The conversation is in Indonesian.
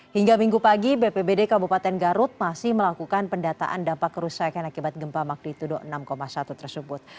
hingga minggu pagi bpbd kabupaten garut masih melakukan pendataan dampak kerusakan akibat gempa magnitudo enam satu tersebut